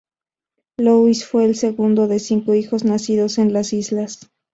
Louis fue el segundo de cinco hijos nacidos en las islas.